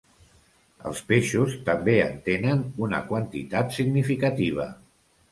Els peixos també en tenen una quantitat significativa.